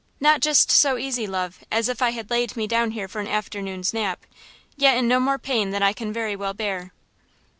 "Not just so easy, love, as if I had laid me down here for an afternoon's nap, yet in no more pain than I can very well bear."